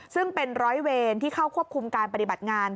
ซึ่งเป็นร้อยเวรที่เข้าควบคุมการปฏิบัติงาน